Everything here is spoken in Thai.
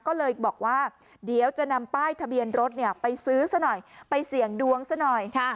ก็เลยบอกว่าเดี๋ยวจะนำป้ายทะเบียนรถไปซื้อซะหน่อยไปเสี่ยงดวงซะหน่อย